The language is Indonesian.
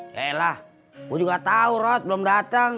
yelah gue juga tau rat belum dateng